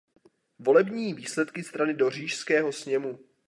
Volební výsledky strany do Říšského sněmu.